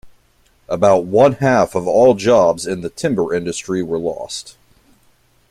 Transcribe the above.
About one-half of all jobs in the timber industry were lost.